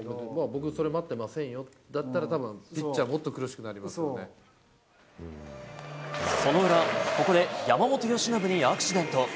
僕それ待ってませんよ、それだったら、ピッチャーもっとその裏、ここで山本由伸にアクシデント。